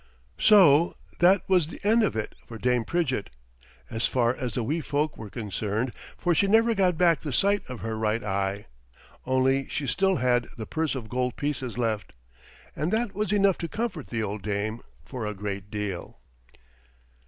So that was the end of it for Dame Pridgett, as far as the wee folk were concerned, for she never got back the sight of her right eye; only she still had the purse of gold pieces left, and that was enough to comfort the old dame for a great deal.